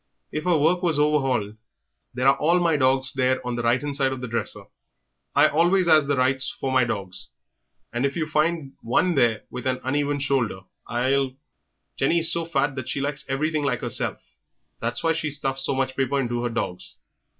If her work was overhauled " "There are all my dogs there on the right hand side of the dresser I always 'as the right for my dogs and if you find one there with an uneven shoulder I'll " "Jennie is so fat that she likes everything like 'erself; that's why she stuffs so much paper into her dogs."